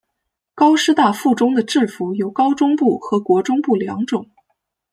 高师大附中的制服有高中部和国中部两种。